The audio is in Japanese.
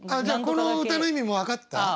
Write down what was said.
じゃあこの歌の意味も分かった？